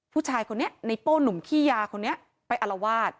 ผู้ชายคนนี้ในโป้หนุ่มขี้ยาคนนี้ไปอารวาส